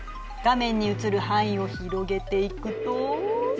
画面に映る範囲を広げていくと。